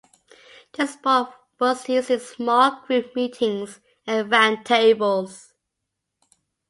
This board was used in small group meetings and round-tables.